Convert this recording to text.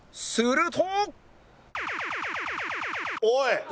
おい！